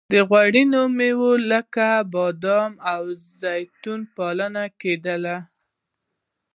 د غوړینو میوو لکه بادام او زیتون پالنه کیدله.